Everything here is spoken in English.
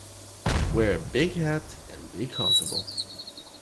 Wear a big hat, and be comfortable!